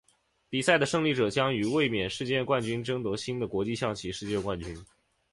比赛的胜利者将与卫冕世界冠军争夺新的国际象棋世界冠军。